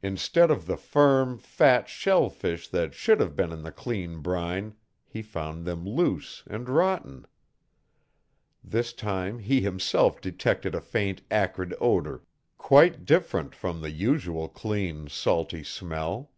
Instead of the firm, fat shellfish that should have been in the clean brine, he found them loose and rotten. This time he himself detected a faint acrid odor quite different from the usual clean, salty smell.